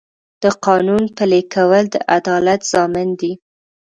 د قانون پلي کول د عدالت ضامن دی.